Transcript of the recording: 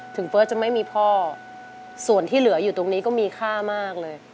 เฟิร์สจะไม่มีพ่อส่วนที่เหลืออยู่ตรงนี้ก็มีค่ามากเลย